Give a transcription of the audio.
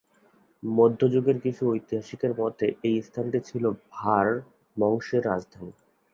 মধ্যযুগের কিছু ঐতিহাসিকের মতে এই স্থানটি ছিল "ভার" বংশের রাজধানী।